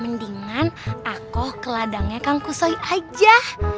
mendingan aku ke ladangnya kang kusoi aja